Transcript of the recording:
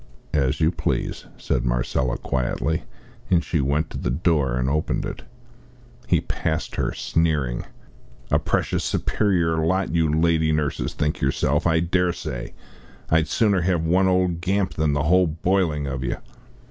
"As you please," said Marcella, quietly. And she went to the door and opened it. He passed her sneering: "A precious superior lot you lady nurses think yourselves, I dare say. I'd sooner have one old gamp than the whole boiling of you!"